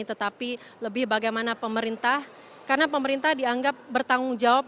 tetapi lebih bagaimana pemerintah karena pemerintah dianggap bertanggung jawab